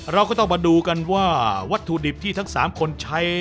เราก็ต้องมาดูกันว่าวัตถุดิบที่ทั้ง๓คนใช้